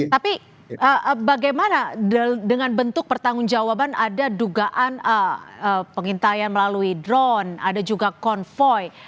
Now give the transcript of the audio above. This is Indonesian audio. tapi bagaimana dengan bentuk pertanggung jawaban ada dugaan pengintaian melalui drone ada juga konvoy